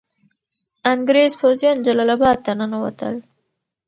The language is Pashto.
انګریز پوځیان جلال اباد ته ننوتل.